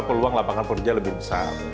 peluang lapangan kerja lebih besar